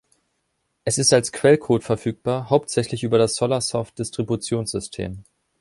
Es ist als Quellcode verfügbar, hauptsächlich über das Solarsoft-Distributionssystem.